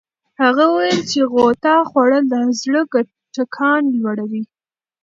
هغه وویل چې غوطه خوړل د زړه ټکان لوړوي.